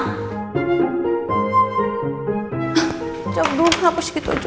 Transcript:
sekejap dulu hapus gitu aja